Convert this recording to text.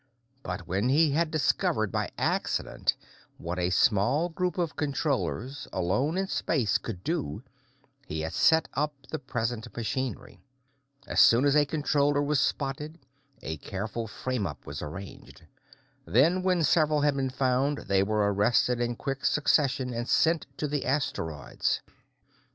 But when he had discovered, by accident, what a small group of Controllers, alone in space, could do, he had set up the present machinery. As soon as a Controller was spotted, a careful frame up was arranged. Then, when several had been found, they were arrested in quick succession and sent to the asteroids.